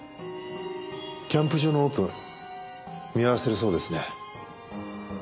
キャンプ場のオープン見合わせるそうですね。